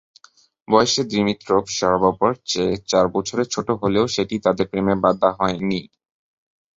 বয়সে দিমিত্রভ শারাপোভার চেয়ে চার বছরের ছোট হলেও সেটি তাঁদের প্রেমে বাধা হয়নি।